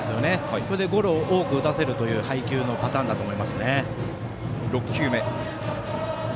それで、ゴロを多く打たせるという配球のパターンだと思います。